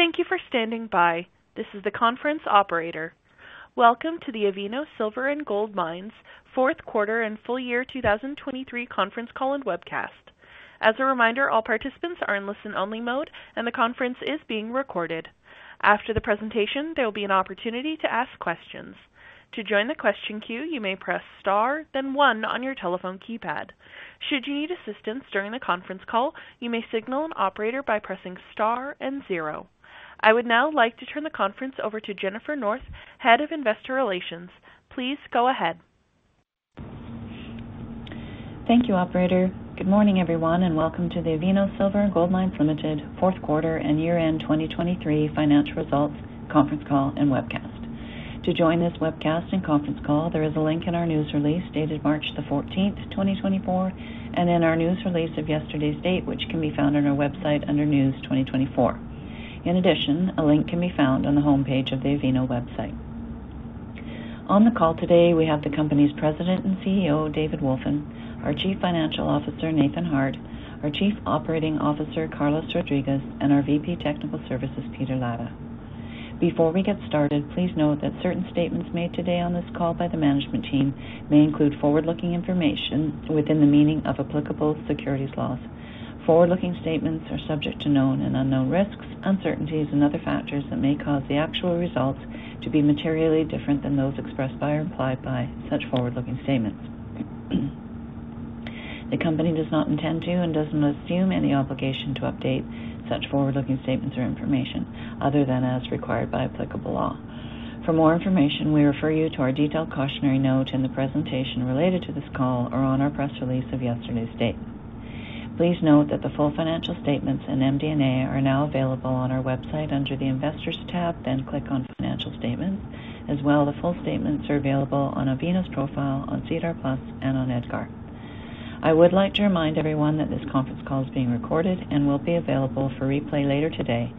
Thank you for standing by. This is the conference operator. Welcome to the Avino Silver & Gold Mines fourth quarter and full year 2023 conference call and webcast. As a reminder, all participants are in listen-only mode, and the conference is being recorded. After the presentation, there will be an opportunity to ask questions. To join the question queue, you may press star then one on your telephone keypad. Should you need assistance during the conference call, you may signal an operator by pressing star and zero. I would now like to turn the conference over to Jennifer North, Head of Investor Relations. Please go ahead. Thank you, operator. Good morning, everyone, and welcome to the Avino Silver & Gold Mines Ltd. fourth quarter and year-end 2023 financial results conference call and webcast. To join this webcast and conference call, there is a link in our news release dated March 14, 2024, and in our news release of yesterday's date, which can be found on our website under News 2024. In addition, a link can be found on the homepage of the Avino website. On the call today, we have the company's President and CEO, David Wolfin, our Chief Financial Officer, Nathan Harte, our Chief Operating Officer, Carlos Rodriguez, and our VP Technical Services, Peter Latta. Before we get started, please note that certain statements made today on this call by the management team may include forward-looking information within the meaning of applicable securities laws. Forward-looking statements are subject to known and unknown risks, uncertainties, and other factors that may cause the actual results to be materially different than those expressed by or implied by such forward-looking statements. The company does not intend to and does not assume any obligation to update such forward-looking statements or information other than as required by applicable law. For more information, we refer you to our detailed cautionary note in the presentation related to this call or on our press release of yesterday's date. Please note that the full financial statements and MD&A are now available on our website under the Investors tab, then click on Financial Statements, as well as the full statements are available on Avino's profile, on SEDAR+, and on EDGAR. I would like to remind everyone that this conference call is being recorded and will be available for replay later today.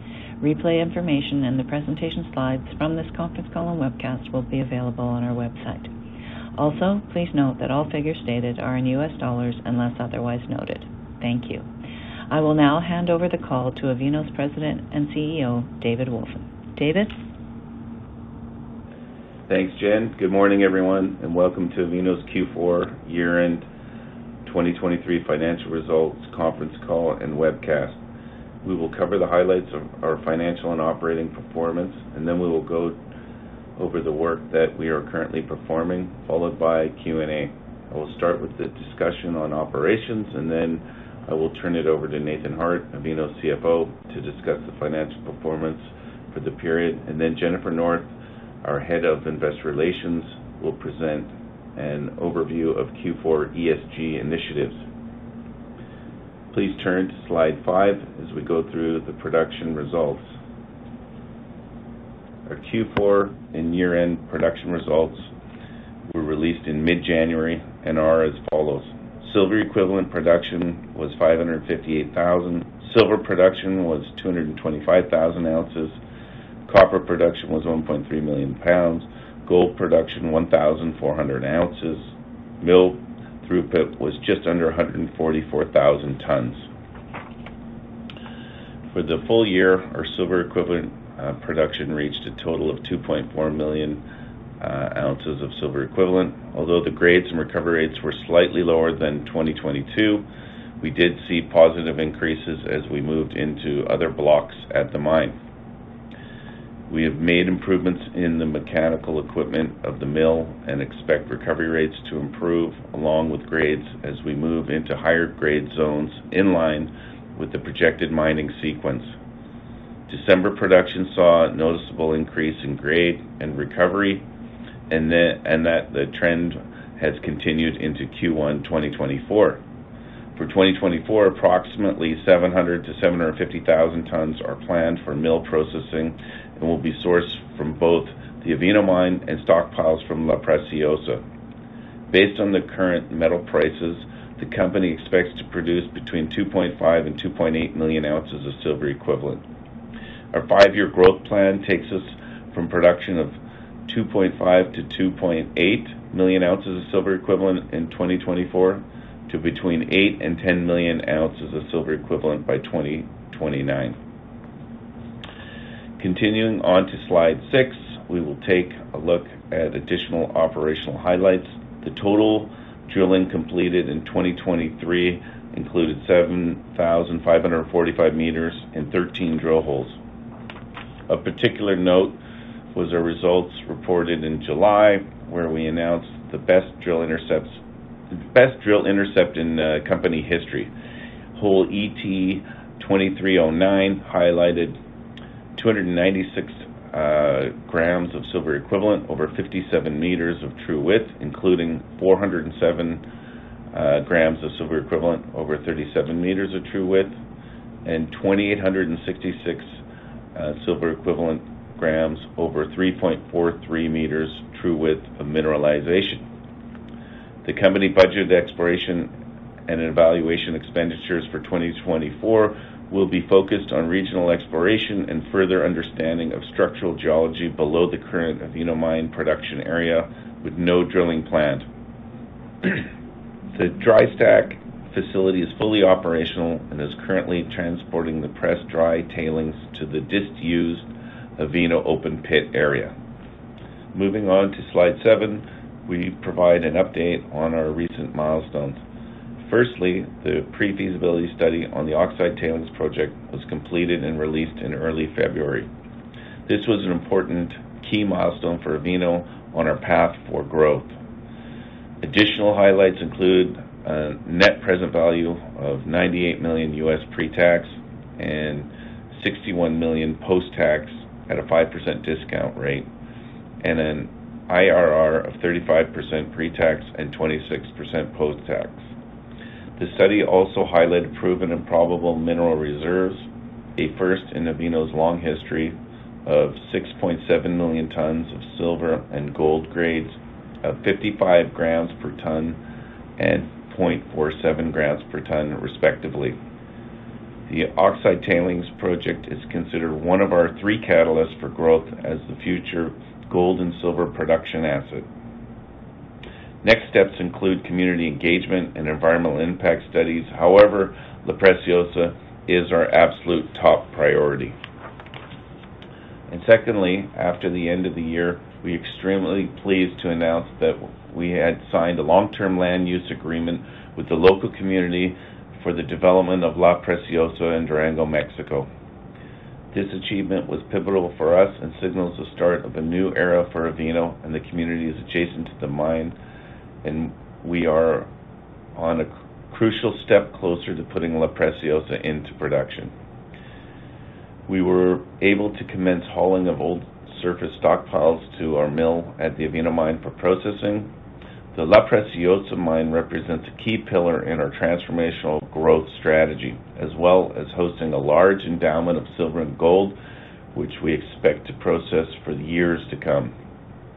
Replay information and the presentation slides from this conference call and webcast will be available on our website. Also, please note that all figures stated are in U.S. dollars unless otherwise noted. Thank you. I will now hand over the call to Avino's president and CEO, David Wolfin. David? Thanks, Jen. Good morning, everyone, and welcome to Avino's Q4 year-end 2023 financial results conference call and webcast. We will cover the highlights of our financial and operating performance, and then we will go over the work that we are currently performing, followed by Q&A. I will start with the discussion on operations, and then I will turn it over to Nathan Harte, Avino's CFO, to discuss the financial performance for the period. Then Jennifer North, our head of investor relations, will present an overview of Q4 ESG initiatives. Please turn to slide 5 as we go through the production results. Our Q4 and year-end production results were released in mid-January and are as follows. Silver equivalent production was 558,000. Silver production was 225,000 ounces. Copper production was 1.3 million pounds. Gold production 1,400 ounces. Mill throughput was just under 144,000 tons. For the full year, our silver equivalent production reached a total of 2.4 million ounces of silver equivalent. Although the grades and recovery rates were slightly lower than 2022, we did see positive increases as we moved into other blocks at the mine. We have made improvements in the mechanical equipment of the mill and expect recovery rates to improve along with grades as we move into higher grade zones in line with the projected mining sequence. December production saw a noticeable increase in grade and recovery, and that the trend has continued into Q1 2024. For 2024, approximately 700-750 thousand tons are planned for mill processing and will be sourced from both the Avino Mine and stockpiles from La Preciosa. Based on the current metal prices, the company expects to produce between 2.5-2.8 million ounces of silver equivalent. Our five-year growth plan takes us from production of 2.5-2.8 million ounces of silver equivalent in 2024 to between 8 and 10 million ounces of silver equivalent by 2029. Continuing on to slide 6, we will take a look at additional operational highlights. The total drilling completed in 2023 included 7,545 meters and 13 drill holes. Of particular note was our results reported in July, where we announced the best drill intercepts in company history. Hole ET 2309 highlighted 296 grams of silver equivalent over 57 meters of true width, including 407 grams of silver equivalent over 37 meters of true width, and 2,866 silver equivalent grams over 3.43 meters true width of mineralization. The company budget exploration and evaluation expenditures for 2024 will be focused on regional exploration and further understanding of structural geology below the current Avino Mine production area with no drilling planned. The Dry Stack Facility is fully operational and is currently transporting the pressed dry tailings to the disused Avino open pit area. Moving on to slide 7, we provide an update on our recent milestones. Firstly, the pre-feasibility study on the Oxide Tailings Project was completed and released in early February. This was an important key milestone for Avino on our path for growth. Additional highlights include a net present value of $98 million pre-tax and $61 million post-tax at a 5% discount rate, and an IRR of 35% pre-tax and 26% post-tax. The study also highlighted proven and probable mineral reserves, a first in Avino's long history of 6.7 million tons of silver and gold grades of 55 grams per ton and 0.47 grams per ton, respectively. The Oxide Tailings Project is considered one of our three catalysts for growth as the future gold and silver production asset. Next steps include community engagement and environmental impact studies. However, La Preciosa is our absolute top priority. Secondly, after the end of the year, we are extremely pleased to announce that we had signed a long-term land use agreement with the local community for the development of La Preciosa in Durango, Mexico. This achievement was pivotal for us and signals the start of a new era for Avino and the communities adjacent to the mine, and we are on a crucial step closer to putting La Preciosa into production. We were able to commence hauling of old surface stockpiles to our mill at the Avino Mine for processing. The La Preciosa mine represents a key pillar in our transformational growth strategy, as well as hosting a large endowment of silver and gold, which we expect to process for years to come.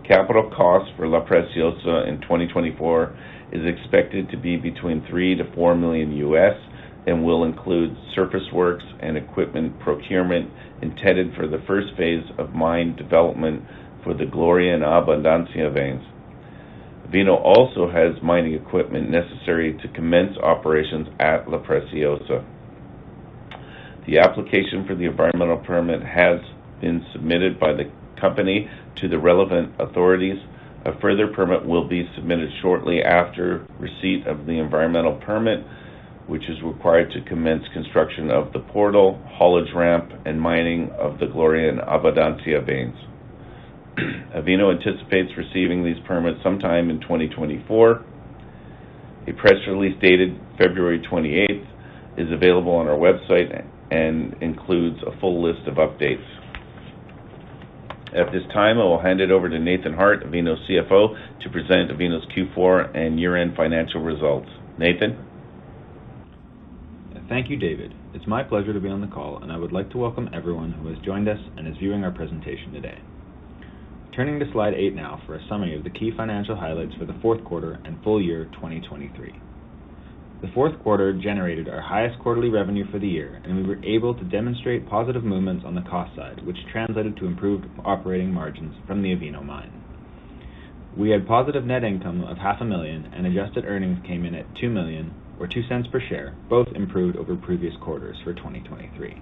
Capital cost for La Preciosa in 2024 is expected to be between $3 million-$4 million and will include surface works and equipment procurement intended for the first phase of mine development for the Gloria and Abundancia Veins. Avino also has mining equipment necessary to commence operations at La Preciosa. The application for the environmental permit has been submitted by the company to the relevant authorities. A further permit will be submitted shortly after receipt of the environmental permit, which is required to commence construction of the portal, haulage ramp, and mining of the Gloria and Abundancia Veins. Avino anticipates receiving these permits sometime in 2024. A press release dated February 28th is available on our website and includes a full list of updates. At this time, I will hand it over to Nathan Harte, Avino's CFO, to present Avino's Q4 and year-end financial results. Nathan? Thank you, David. It's my pleasure to be on the call, and I would like to welcome everyone who has joined us and is viewing our presentation today. Turning to slide 8 now for a summary of the key financial highlights for the fourth quarter and full year 2023. The fourth quarter generated our highest quarterly revenue for the year, and we were able to demonstrate positive movements on the cost side, which translated to improved operating margins from the Avino Mine. We had positive net income of $500,000, and adjusted earnings came in at $2 million or $0.02 per share, both improved over previous quarters for 2023.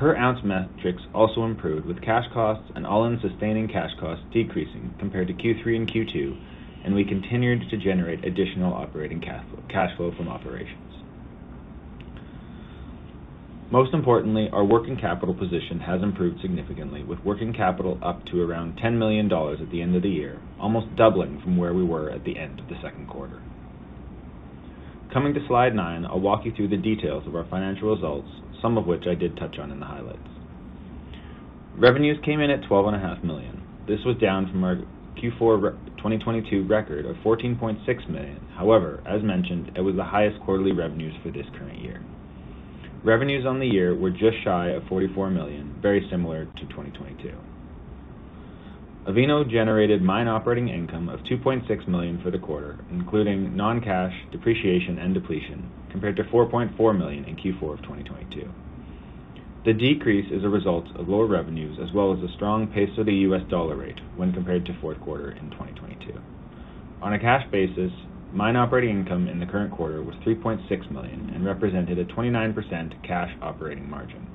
Per ounce metrics also improved, with cash costs and all-in sustaining cash costs decreasing compared to Q3 and Q2, and we continued to generate additional operating cash flow from operations. Most importantly, our working capital position has improved significantly, with working capital up to around $10 million at the end of the year, almost doubling from where we were at the end of the second quarter. Coming to slide 9, I'll walk you through the details of our financial results, some of which I did touch on in the highlights. Revenues came in at $12.5 million. This was down from our Q4 2022 record of $14.6 million. However, as mentioned, it was the highest quarterly revenues for this current year. Revenues on the year were just shy of $44 million, very similar to 2022. Avino generated mine operating income of $2.6 million for the quarter, including non-cash, depreciation, and depletion, compared to $4.4 million in Q4 of 2022. The decrease is a result of lower revenues as well as a strong pace of the US dollar rate when compared to fourth quarter in 2022. On a cash basis, mine operating income in the current quarter was $3.6 million and represented a 29% cash operating margin.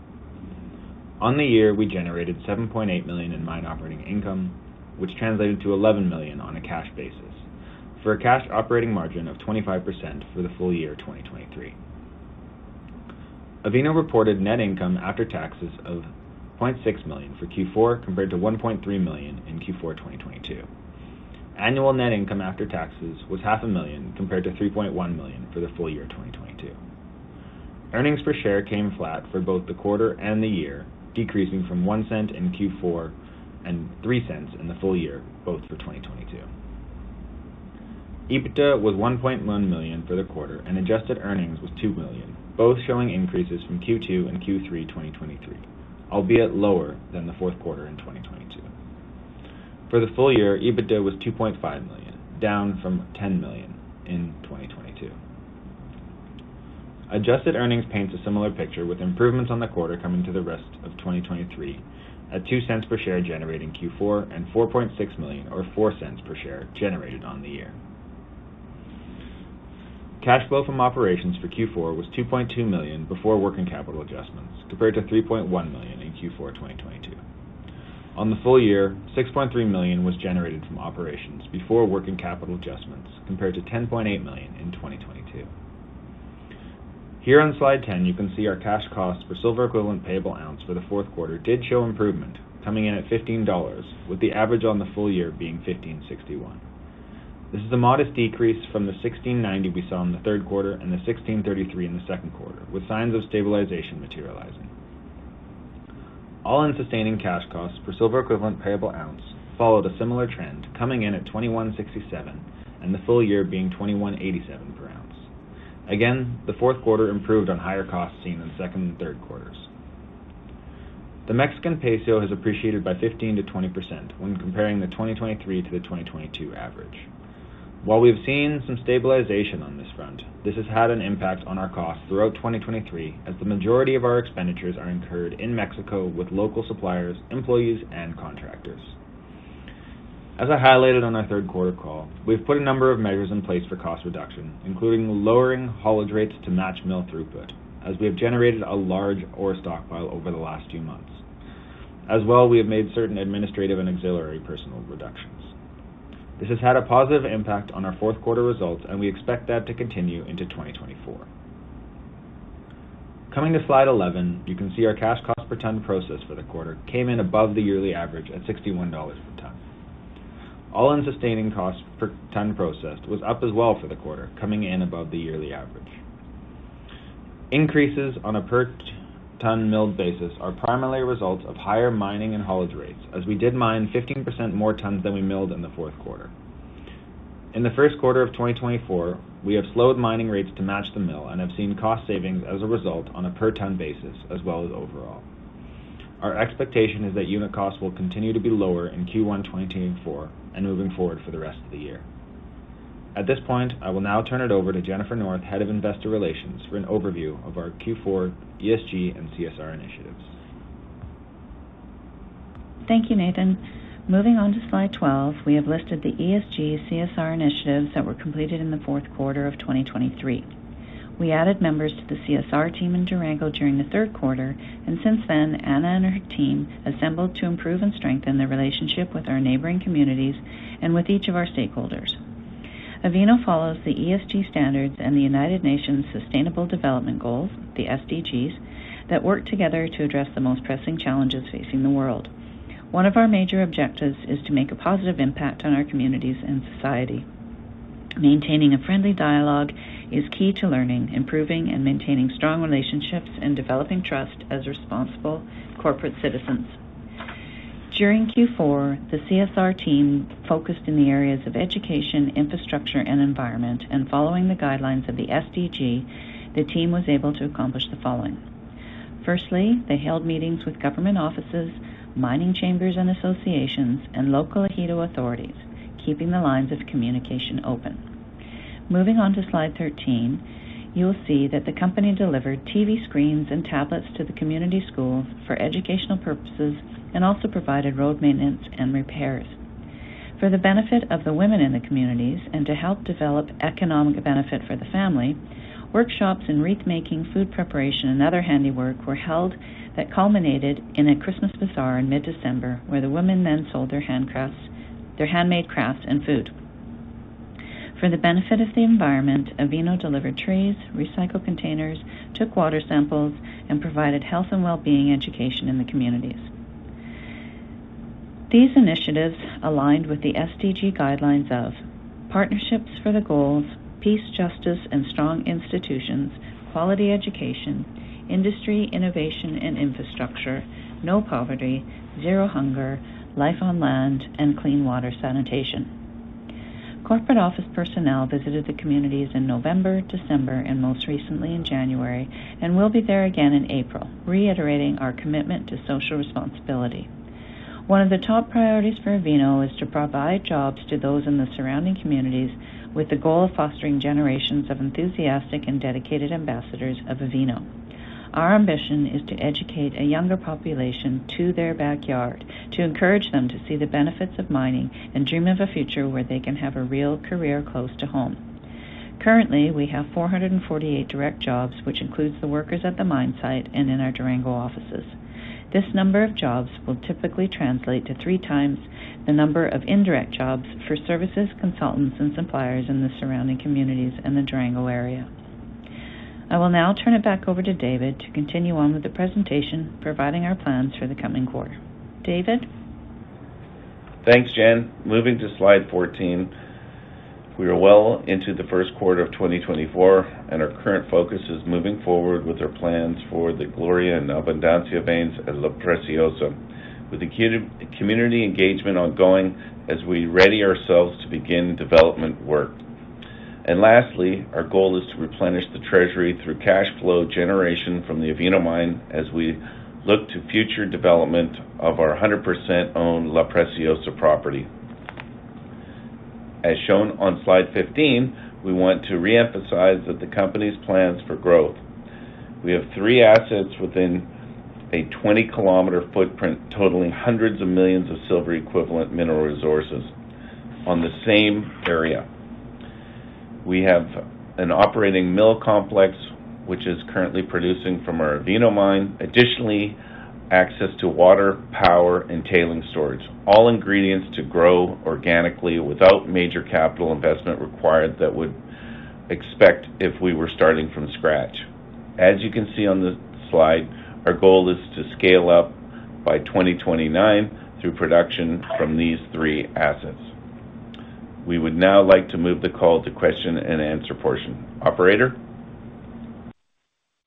On the year, we generated $7.8 million in mine operating income, which translated to $11 million on a cash basis, for a cash operating margin of 25% for the full year 2023. Avino reported net income after taxes of $0.6 million for Q4 compared to $1.3 million in Q4 2022. Annual net income after taxes was $0.5 million compared to $3.1 million for the full year 2022. Earnings per share came flat for both the quarter and the year, decreasing from $0.01 in Q4 and $0.03 in the full year, both for 2022. EBITDA was $1.1 million for the quarter, and adjusted earnings was $2 million, both showing increases from Q2 and Q3 2023, albeit lower than the fourth quarter in 2022. For the full year, EBITDA was $2.5 million, down from $10 million in 2022. Adjusted earnings paints a similar picture, with improvements on the quarter coming to the rest of 2023 at $0.02 per share generated in Q4 and $4.6 million or $0.04 per share generated on the year. Cash flow from operations for Q4 was $2.2 million before working capital adjustments, compared to $3.1 million in Q4 2022. On the full year, $6.3 million was generated from operations before working capital adjustments, compared to $10.8 million in 2022. Here on slide 10, you can see our cash costs for silver equivalent payable ounce for the fourth quarter did show improvement, coming in at $15, with the average on the full year being $1,561. This is a modest decrease from the $1,690 we saw in the third quarter and the $1,633 in the second quarter, with signs of stabilization materializing. All-in Sustaining Cash Costs for silver equivalent payable ounce followed a similar trend, coming in at $2,167 and the full year being $2,187 per ounce. Again, the fourth quarter improved on higher costs seen in second and third quarters. The Mexican peso has appreciated by 15%-20% when comparing the 2023 to the 2022 average. While we have seen some stabilization on this front, this has had an impact on our costs throughout 2023 as the majority of our expenditures are incurred in Mexico with local suppliers, employees, and contractors. As I highlighted on our third quarter call, we've put a number of measures in place for cost reduction, including lowering haulage rates to match mill throughput as we have generated a large ore stockpile over the last few months. As well, we have made certain administrative and auxiliary personnel reductions. This has had a positive impact on our fourth quarter results, and we expect that to continue into 2024. Coming to slide 11, you can see our cash cost per ton processed for the quarter came in above the yearly average at $61 per ton. All-in sustaining cost per ton processed was up as well for the quarter, coming in above the yearly average. Increases on a per-ton milled basis are primarily a result of higher mining and haulage rates, as we did mine 15% more tons than we milled in the fourth quarter. In the first quarter of 2024, we have slowed mining rates to match the mill and have seen cost savings as a result on a per-ton basis, as well as overall. Our expectation is that unit costs will continue to be lower in Q1 2024 and moving forward for the rest of the year. At this point, I will now turn it over to Jennifer North, Head of Investor Relations, for an overview of our Q4 ESG and CSR initiatives. Thank you, Nathan. Moving on to slide 12, we have listed the ESG/CSR initiatives that were completed in the fourth quarter of 2023. We added members to the CSR team in Durango during the third quarter, and since then, Ana and her team assembled to improve and strengthen their relationship with our neighboring communities and with each of our stakeholders. Avino follows the ESG standards and the United Nations Sustainable Development Goals, the SDGs, that work together to address the most pressing challenges facing the world. One of our major objectives is to make a positive impact on our communities and society. Maintaining a friendly dialogue is key to learning, improving, and maintaining strong relationships and developing trust as responsible corporate citizens. During Q4, the CSR team focused in the areas of education, infrastructure, and environment, and following the guidelines of the SDG, the team was able to accomplish the following. Firstly, they held meetings with government offices, mining chambers, and associations, and local Durango authorities, keeping the lines of communication open. Moving on to slide 13, you will see that the company delivered TV screens and tablets to the community schools for educational purposes and also provided road maintenance and repairs. For the benefit of the women in the communities and to help develop economic benefit for the family, workshops in wreath making, food preparation, and other handiwork were held that culminated in a Christmas bazaar in mid-December, where the women then sold their handmade crafts and food. For the benefit of the environment, Avino delivered trees, recycled containers, took water samples, and provided health and well-being education in the communities. These initiatives aligned with the SDG guidelines of partnerships for the goals, peace, justice, and strong institutions, quality education, industry innovation and infrastructure, no poverty, zero hunger, life on land, and clean water sanitation. Corporate office personnel visited the communities in November, December, and most recently in January and will be there again in April, reiterating our commitment to social responsibility. One of the top priorities for Avino is to provide jobs to those in the surrounding communities with the goal of fostering generations of enthusiastic and dedicated ambassadors of Avino. Our ambition is to educate a younger population to their backyard, to encourage them to see the benefits of mining and dream of a future where they can have a real career close to home. Currently, we have 448 direct jobs, which includes the workers at the mine site and in our Durango offices. This number of jobs will typically translate to three x the number of indirect jobs for services, consultants, and suppliers in the surrounding communities and the Durango area. I will now turn it back over to David to continue on with the presentation, providing our plans for the coming quarter. David? Thanks, Jen. Moving to slide 14, we are well into the first quarter of 2024, and our current focus is moving forward with our plans for the Gloria Vein and Abundancia Vein at La Preciosa, with community engagement ongoing as we ready ourselves to begin development work. Lastly, our goal is to replenish the treasury through cash flow generation from the Avino Mine as we look to future development of our 100%-owned La Preciosa property. As shown on slide 15, we want to reemphasize the company's plans for growth. We have three assets within a 20-kilometer footprint totaling hundreds of millions of silver equivalent mineral resources on the same area. We have an operating mill complex, which is currently producing from our Avino Mine. Additionally, access to water, power, and tailings storage, all ingredients to grow organically without major capital investment required that we'd expect if we were starting from scratch. As you can see on the slide, our goal is to scale up by 2029 through production from these three assets. We would now like to move the call to question and answer portion. Operator?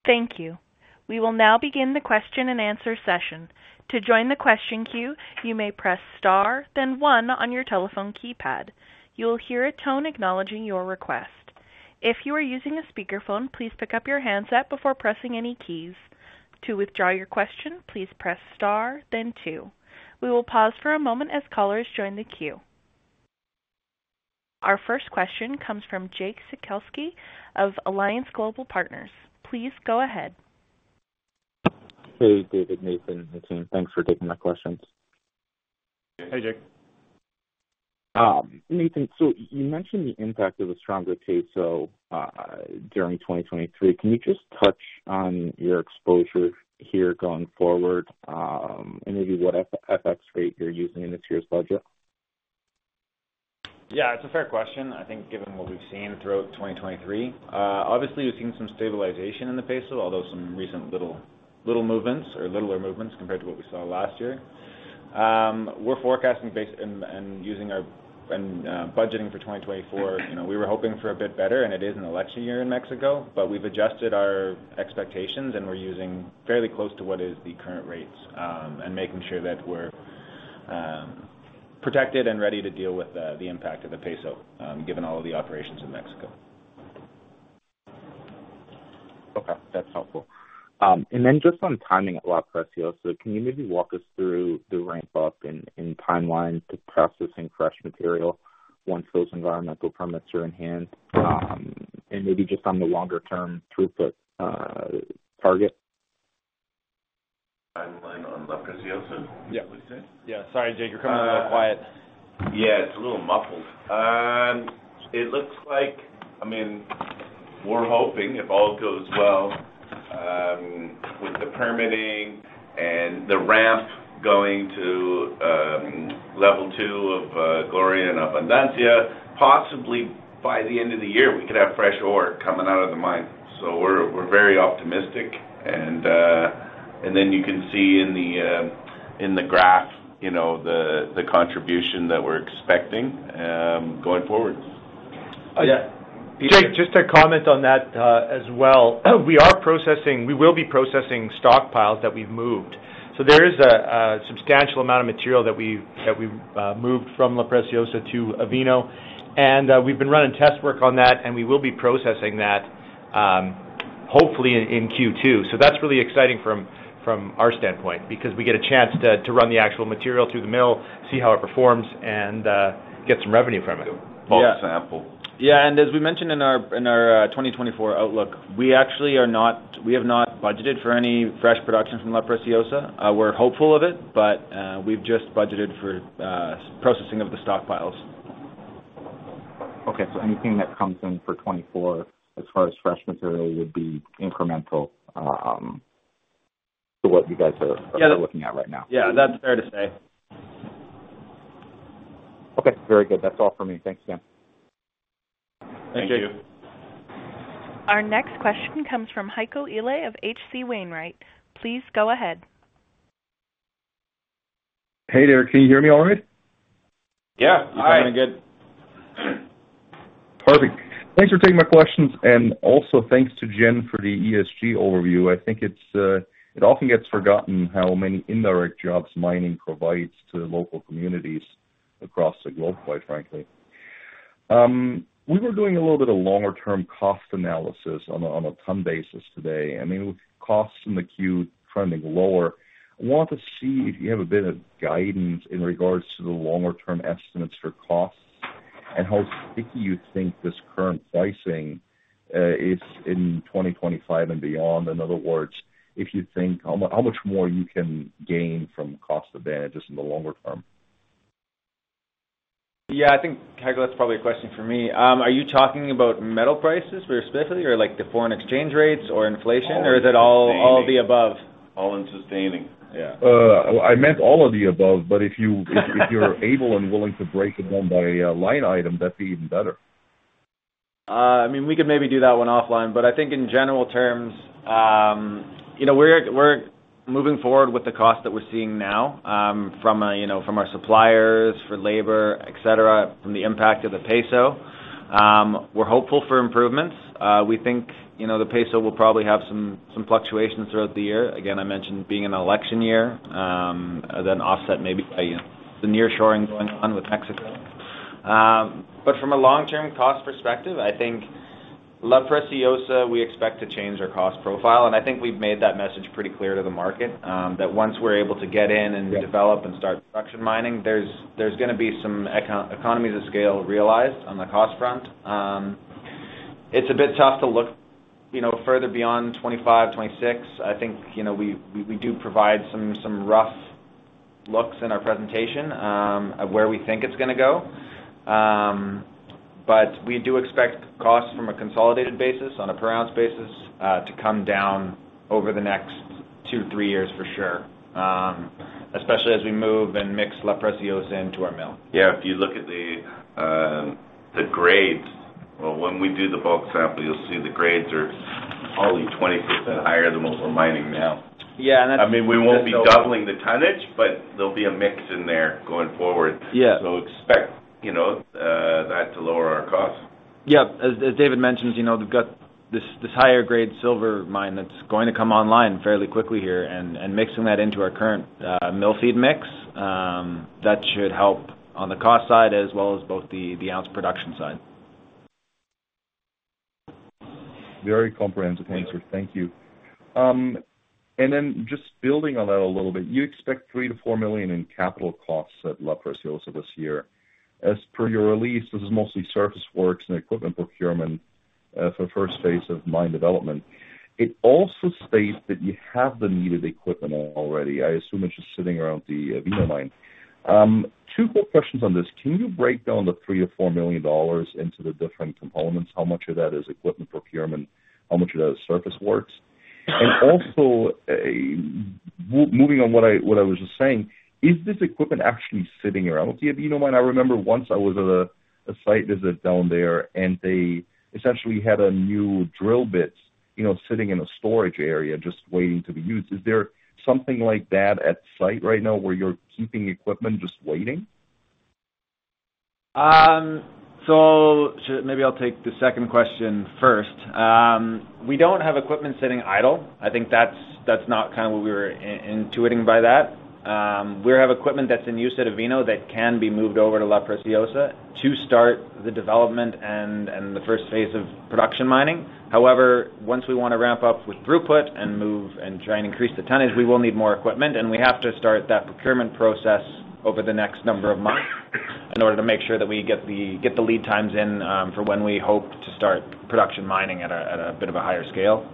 Thank you. We will now begin the question and answer session. To join the question queue, you may press star, then one on your telephone keypad. You will hear a tone acknowledging your request. If you are using a speakerphone, please pick up your handset before pressing any keys. To withdraw your question, please press star, then two. We will pause for a moment as callers join the queue. Our first question comes from Jake Sekelsky of Alliance Global Partners. Please go ahead. Hey, David, Nathan, and team. Thanks for taking my questions. Hey, Jake. Nathan, so you mentioned the impact of a stronger peso during 2023. Can you just touch on your exposure here going forward and maybe what FX rate you're using in this year's budget? Yeah, it's a fair question. I think given what we've seen throughout 2023, obviously, we've seen some stabilization in the peso, although some recent little movements or littler movements compared to what we saw last year. We're forecasting and using our budgeting for 2024. We were hoping for a bit better, and it is an election year in Mexico, but we've adjusted our expectations, and we're using fairly close to what is the current rates and making sure that we're protected and ready to deal with the impact of the peso given all of the operations in Mexico. Okay, that's helpful. And then just on timing at La Preciosa, can you maybe walk us through the ramp-up and timeline to processing fresh material once those environmental permits are in hand and maybe just on the longer-term throughput target? Timeline on La Preciosa? Is that what you said? Yeah. Yeah. Sorry, Jake. You're coming in a little quiet. Yeah, it's a little muffled. I mean, we're hoping, if all goes well, with the permitting and the ramp going to level 2 of Gloria and Abundancia, possibly by the end of the year, we could have fresh ore coming out of the mine. So we're very optimistic. And then you can see in the graph the contribution that we're expecting going forward. Jake, just a comment on that as well. We will be processing stockpiles that we've moved. So there is a substantial amount of material that we moved from La Preciosa to Avino, and we've been running test work on that, and we will be processing that, hopefully, in Q2. So that's really exciting from our standpoint because we get a chance to run the actual material through the mill, see how it performs, and get some revenue from it. Yeah. Both sample. Yeah. As we mentioned in our 2024 outlook, we have not budgeted for any fresh production from La Preciosa. We're hopeful of it, but we've just budgeted for processing of the stockpiles. Okay. So anything that comes in for 2024 as far as fresh material would be incremental to what you guys are looking at right now? Yeah. Yeah, that's fair to say. Okay. Very good. That's all for me. Thanks, Jen. Thank you. Thank you. Our next question comes from Heiko Ihle of H.C. Wainwright. Please go ahead. Hey there. Can you hear me all right? Yeah. All right. I'm coming in good. Perfect. Thanks for taking my questions, and also thanks to Jen for the ESG overview. I think it often gets forgotten how many indirect jobs mining provides to local communities across the globe, quite frankly. We were doing a little bit of longer-term cost analysis on a ton basis today. I mean, with costs in the queue trending lower, I want to see if you have a bit of guidance in regards to the longer-term estimates for costs and how sticky you think this current pricing is in 2025 and beyond. In other words, if you think how much more you can gain from cost advantages in the longer term. Yeah. I think, Heiko, that's probably a question for me. Are you talking about metal prices specifically or the foreign exchange rates or inflation, or is it all the above? All-in sustaining. Yeah. I meant all of the above, but if you're able and willing to break it down by line item, that'd be even better. I mean, we could maybe do that one offline, but I think in general terms, we're moving forward with the cost that we're seeing now from our suppliers, for labor, etc., from the impact of the peso. We're hopeful for improvements. We think the peso will probably have some fluctuations throughout the year. Again, I mentioned being an election year, then offset maybe by the nearshoring going on with Mexico. But from a long-term cost perspective, I think La Preciosa, we expect to change our cost profile, and I think we've made that message pretty clear to the market that once we're able to get in and develop and start production mining, there's going to be some economies of scale realized on the cost front. It's a bit tough to look further beyond 2025, 2026. I think we do provide some rough looks in our presentation of where we think it's going to go, but we do expect costs from a consolidated basis, on a per-ounce basis, to come down over the next two, three years for sure, especially as we move and mix La Preciosa into our mill. Yeah. If you look at the grades, well, when we do the bulk sample, you'll see the grades are probably 20% higher than what we're mining now. I mean, we won't be doubling the tonnage, but there'll be a mix in there going forward. So expect that to lower our costs. Yeah. As David mentions, we've got this higher-grade silver mine that's going to come online fairly quickly here, and mixing that into our current mill feed mix, that should help on the cost side as well as both the ounce production side. Very comprehensive answer. Thank you. Then just building on that a little bit, you expect $3 million-$4 million in capital costs at La Preciosa this year. As per your release, this is mostly surface works and equipment procurement for the first phase of mine development. It also states that you have the needed equipment already. I assume it's just sitting around the Avino Mine. Two quick questions on this. Can you break down the $3 million-$4 million into the different components? How much of that is equipment procurement? How much of that is surface works? And also, moving on what I was just saying, is this equipment actually sitting around at the Avino Mine? I remember once I was at a site visit down there, and they essentially had a new drill bit sitting in a storage area just waiting to be used. Is there something like that at site right now where you're keeping equipment just waiting? So maybe I'll take the second question first. We don't have equipment sitting idle. I think that's not kind of what we were intuiting by that. We have equipment that's in use at Avino that can be moved over to La Preciosa to start the development and the first phase of production mining. However, once we want to ramp up with throughput and try and increase the tonnage, we will need more equipment, and we have to start that procurement process over the next number of months in order to make sure that we get the lead times in for when we hope to start production mining at a bit of a higher scale.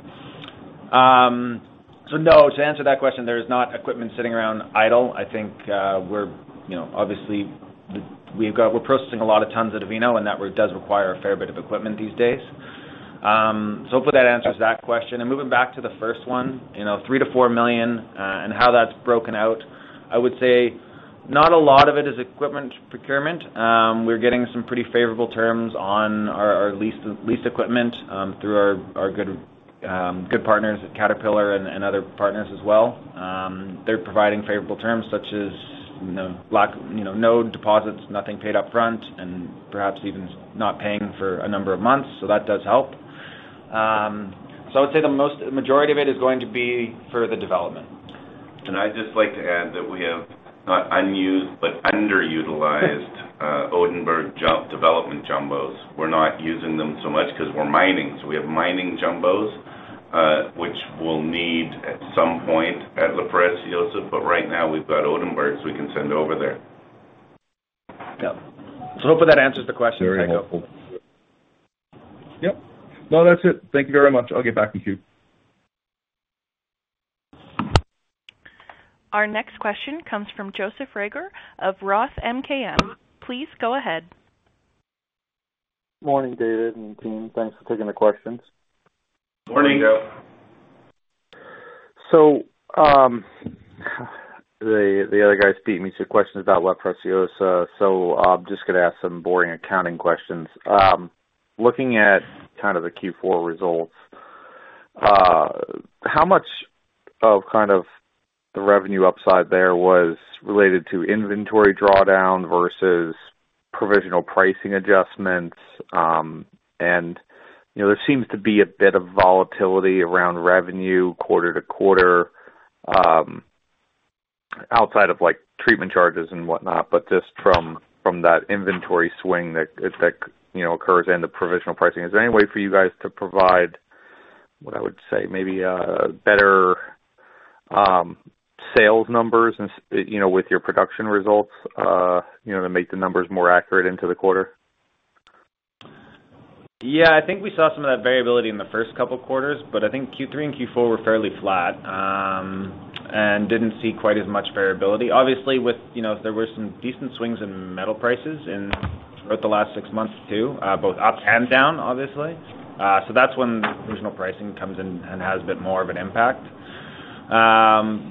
So no, to answer that question, there is not equipment sitting around idle. I think we're obviously processing a lot of tons at Avino, and that does require a fair bit of equipment these days. So hopefully, that answers that question. And moving back to the first one, $3 million-$4 million and how that's broken out, I would say not a lot of it is equipment procurement. We're getting some pretty favorable terms on our leased equipment through our good partners at Caterpillar and other partners as well. They're providing favorable terms such as no deposits, nothing paid upfront, and perhaps even not paying for a number of months. So that does help. So I would say the majority of it is going to be for the development. I'd just like to add that we have not unused, but underutilized Oldenburg development jumbos. We're not using them so much because we're mining. So we have mining jumbos, which we'll need at some point at La Preciosa, but right now, we've got Oldenburgs we can send over there. Yep. So hopefully, that answers the question, Heiko. Very helpful. Yep. No, that's it. Thank you very much. I'll get back in queue. Our next question comes from Joseph Reagor of Roth MKM. Please go ahead. Morning, David and team. Thanks for taking the questions. Morning, Joe. So the other guy speaking to me asked a question about La Preciosa, so I'm just going to ask some boring accounting questions. Looking at kind of the Q4 results, how much of kind of the revenue upside there was related to inventory drawdown versus provisional pricing adjustments? And there seems to be a bit of volatility around revenue quarter to quarter outside of treatment charges and whatnot, but just from that inventory swing that occurs and the provisional pricing. Is there any way for you guys to provide, what I would say, maybe better sales numbers with your production results to make the numbers more accurate into the quarter? Yeah. I think we saw some of that variability in the first couple of quarters, but I think Q3 and Q4 were fairly flat and didn't see quite as much variability. Obviously, if there were some decent swings in metal prices throughout the last six months too, both up and down, obviously, so that's when provisional pricing comes in and has a bit more of an impact.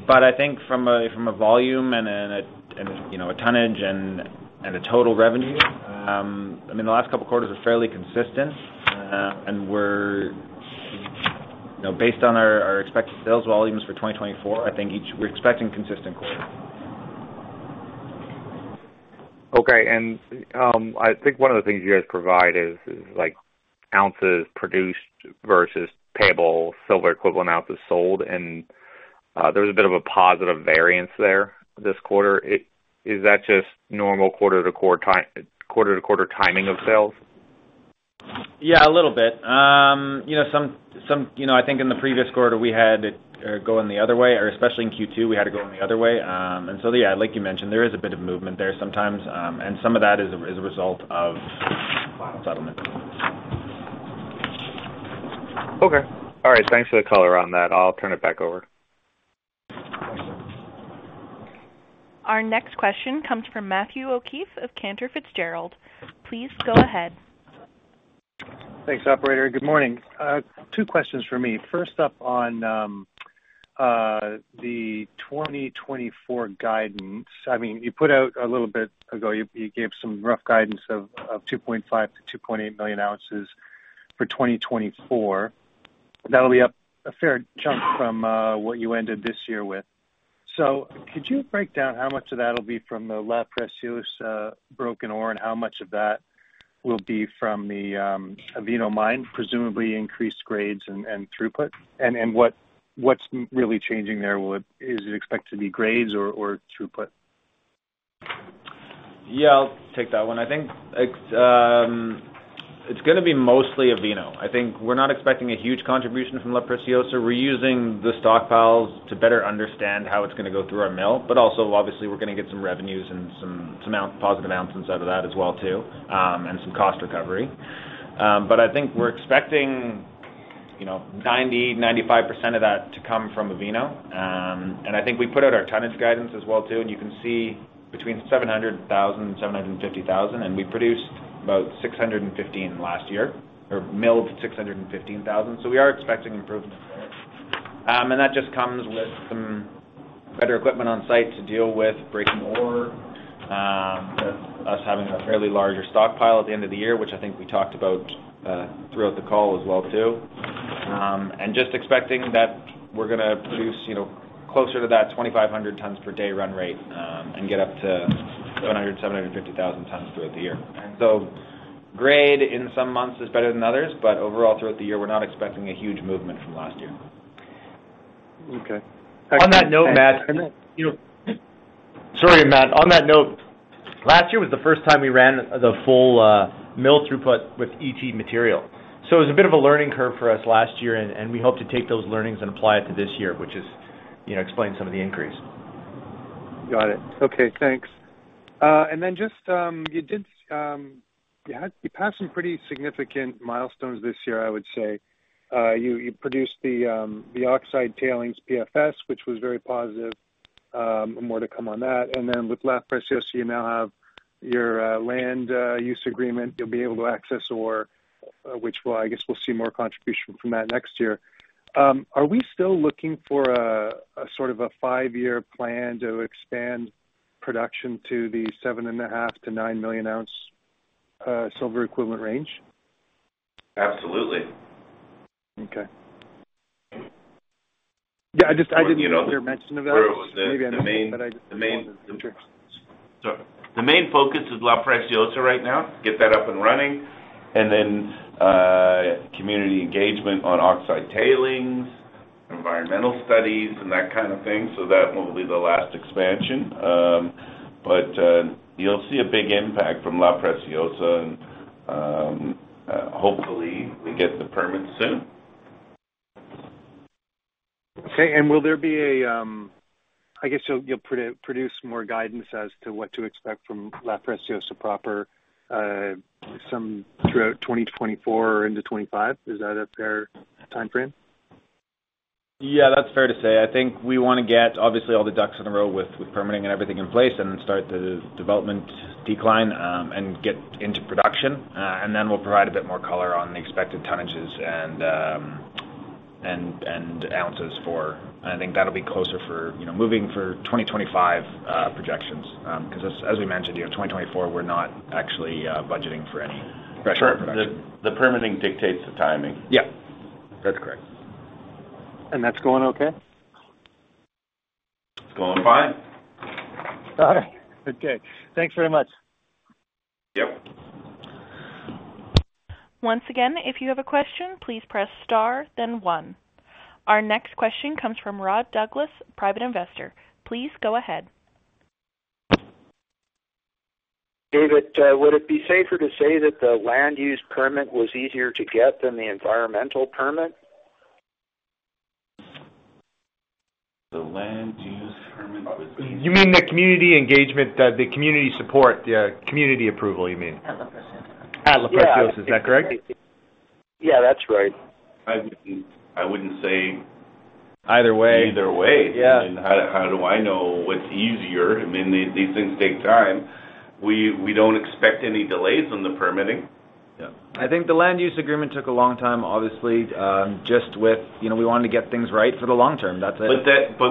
But I think from a volume and a tonnage and a total revenue, I mean, the last couple of quarters were fairly consistent, and based on our expected sales volumes for 2024, I think we're expecting consistent quarters. Okay. And I think one of the things you guys provide is ounces produced versus payable silver equivalent ounces sold, and there was a bit of a positive variance there this quarter. Is that just normal quarter-to-quarter timing of sales? Yeah, a little bit. I think in the previous quarter, we had it go in the other way, or especially in Q2, we had it go in the other way. And so yeah, like you mentioned, there is a bit of movement there sometimes, and some of that is a result of final settlement. Okay. All right. Thanks for the color on that. I'll turn it back over. Our next question comes from Matthew O'Keefe of Cantor Fitzgerald. Please go ahead. Thanks, operator. Good morning. Two questions for me. First up on the 2024 guidance. I mean, you put out a little bit ago, you gave some rough guidance of 2.5-2.8 million ounces for 2024. That'll be up a fair chunk from what you ended this year with. So could you break down how much of that'll be from the La Preciosa broken ore and how much of that will be from the Avino Mine, presumably increased grades and throughput? And what's really changing there? Is it expected to be grades or throughput? Yeah. I'll take that one. I think it's going to be mostly Avino. I think we're not expecting a huge contribution from La Preciosa. We're using the stockpiles to better understand how it's going to go through our mill, but also, obviously, we're going to get some revenues and some positive ounces out of that as well too and some cost recovery. But I think we're expecting 90%-95% of that to come from Avino. And I think we put out our tonnage guidance as well too, and you can see between 700,000 and 750,000, and we produced about 615 last year or milled 615,000. So we are expecting improvements there. That just comes with some better equipment on site to deal with breaking ore, us having a fairly larger stockpile at the end of the year, which I think we talked about throughout the call as well too, and just expecting that we're going to produce closer to that 2,500 tons per day run rate and get up to 700,000-750,000 tons throughout the year. So grade in some months is better than others, but overall, throughout the year, we're not expecting a huge movement from last year. Okay. Thanks. On that note, Matt sorry, Matt. On that note, last year was the first time we ran the full mill throughput with ET material. So it was a bit of a learning curve for us last year, and we hope to take those learnings and apply it to this year, which explains some of the increase. Got it. Okay. Thanks. And then, just, did you pass some pretty significant milestones this year, I would say. You produced the oxide tailings PFS, which was very positive and more to come on that. And then with La Preciosa, you now have your land use agreement. You'll be able to access ore, which I guess we'll see more contribution from that next year. Are we still looking for sort of a five-year plan to expand production to the 7.5-nine million ounce silver equivalent range? Absolutely. Okay. Yeah. I just didn't hear mention of that. Where was the main? The main focus is La Preciosa right now, get that up and running, and then community engagement on oxide tailings, environmental studies, and that kind of thing. So that will be the last expansion. But you'll see a big impact from La Preciosa, and hopefully, we get the permits soon. Okay. And will there be, I guess, you'll produce more guidance as to what to expect from La Preciosa proper throughout 2024 or into 2025? Is that a fair timeframe? Yeah. That's fair to say. I think we want to get, obviously, all the ducks in a row with permitting and everything in place and then start the development decline and get into production. And then we'll provide a bit more color on the expected tonnages and ounces for and I think that'll be closer for moving for 2025 projections because, as we mentioned, 2024, we're not actually budgeting for any fresh ore production. Sure. The permitting dictates the timing. Yep. That's correct. That's going okay? It's going fine. All right. Okay. Thanks very much. Yep. Once again, if you have a question, please press star, then one. Our next question comes from Rod Douglas, private investor. Please go ahead. David, would it be safer to say that the land-use permit was easier to get than the environmental permit? The land-use permit was easier. You mean the community engagement, the community support, the community approval, you mean? At La Preciosa. At La Preciosa. Is that correct? Yeah. That's right. I wouldn't say. Either way. Either way. I mean, how do I know what's easier? I mean, these things take time. We don't expect any delays on the permitting. Yeah. I think the land-use agreement took a long time, obviously, just with we wanted to get things right for the long term. That's it.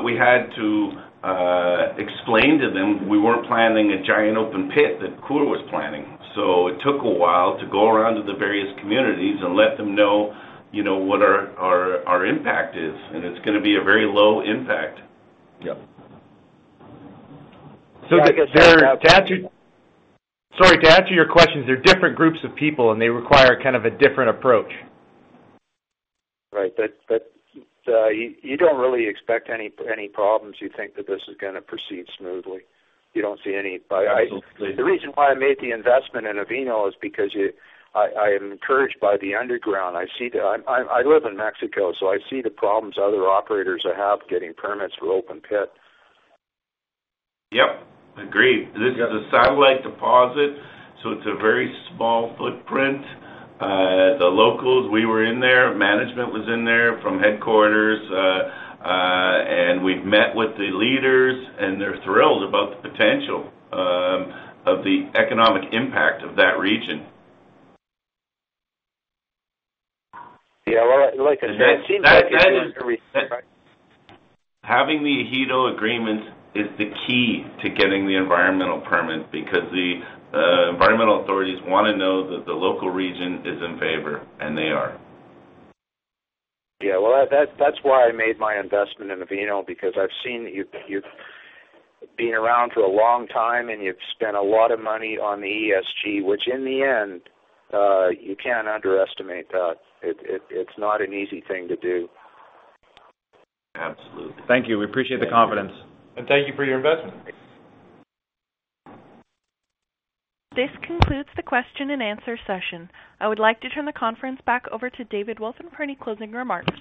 We had to explain to them we weren't planning a giant open pit that Coeur was planning. It took a while to go around to the various communities and let them know what our impact is, and it's going to be a very low impact. Yep. So they're. I guess they're. Sorry, to answer your questions. They're different groups of people, and they require kind of a different approach. Right. You don't really expect any problems. You think that this is going to proceed smoothly. You don't see any. The reason why I made the investment in Avino is because I am encouraged by the underground. I live in Mexico, so I see the problems other operators have getting permits for open pit. Yep. Agreed. It's a satellite deposit, so it's a very small footprint. The locals, we were in there. Management was in there from headquarters, and we've met with the leaders, and they're thrilled about the potential of the economic impact of that region. Yeah. Well, like I said, it seems like that is everything, right? Having the Ejido agreements is the key to getting the environmental permit because the environmental authorities want to know that the local region is in favor, and they are. Yeah. Well, that's why I made my investment in Avino because I've seen you've been around for a long time, and you've spent a lot of money on the ESG, which in the end, you can't underestimate that. It's not an easy thing to do. Absolutely. Thank you. We appreciate the confidence. Thank you for your investment. This concludes the question-and-answer session. I would like to turn the conference back over to David Wolfin for any closing remarks.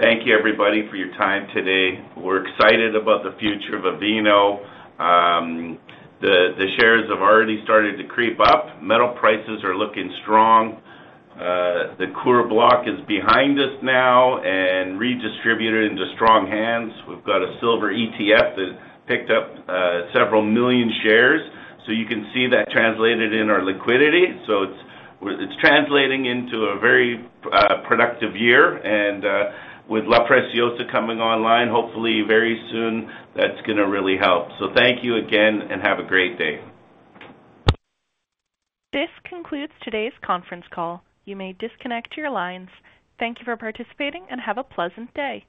Thank you, everybody, for your time today. We're excited about the future of Avino. The shares have already started to creep up. Metal prices are looking strong. The Coeur block is behind us now and redistributed into strong hands. We've got a silver ETF that picked up several million shares, so you can see that translated in our liquidity. So it's translating into a very productive year. And with La Preciosa coming online, hopefully, very soon, that's going to really help. So thank you again, and have a great day. This concludes today's conference call. You may disconnect your lines. Thank you for participating, and have a pleasant day.